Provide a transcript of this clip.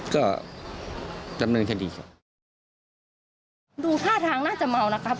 ขอพาผู้หญิงเข้าบ้านครับ